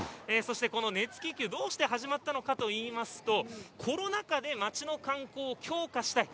この熱気球どうして始まったかといいますとコロナ禍で町の観光を強化したい